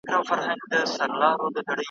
مغلق او پرله پېچلي `